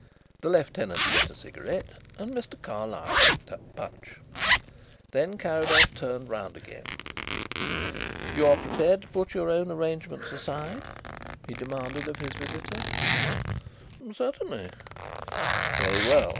The lieutenant lit a cigarette and Mr. Carlyle picked up Punch. Then Carrados turned round again. "You are prepared to put your own arrangements aside?" he demanded of his visitor. "Certainly." "Very well.